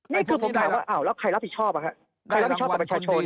นี่คือผมถามว่าอ่าวแล้วใครรับผิดชอบครับ